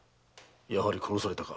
やはり殺されたか。